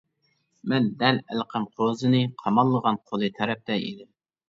مەن دەل ئەلقەم قوزىنى قاماللىغان قولى تەرەپتە ئىدىم.